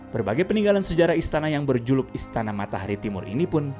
berbagai peninggalan sejarah istana yang berjuluk istana matahari timur ini pun